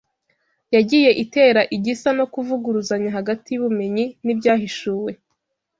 yagiye itera igisa no kuvuguruzanya hagati y’ubumenyi n’ibyahishuwe